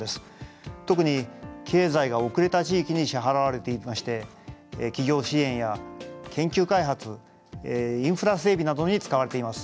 特に経済が遅れた地域に支払われていまして企業支援や研究開発インフラ整備などに使われています。